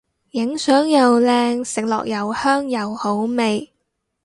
影相又靚食落又香又好味